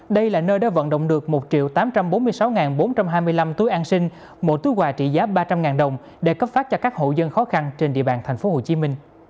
đây là nơi đã vận động được một tám trăm bốn mươi sáu bốn trăm hai mươi năm túi an sinh mỗi túi quà trị giá ba trăm linh đồng để cấp phát cho các hộ dân khó khăn trên địa bàn tp hcm